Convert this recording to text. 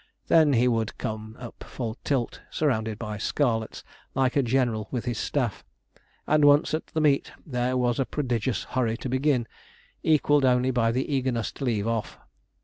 Then he would come up full tilt, surrounded by 'scarlets,' like a general with his staff; and once at the meet, there was a prodigious hurry to begin, equalled only by the eagerness to leave off.